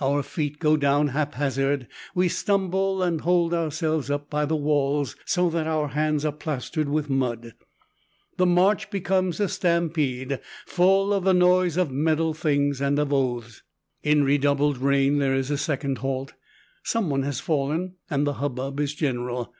Our feet go down haphazard; we stumble and hold ourselves up by the walls, so that our hands are plastered with mud. The march becomes a stampede, full of the noise of metal things and of oaths. In redoubled rain there is a second halt; some one has fallen, and the hubbub is general.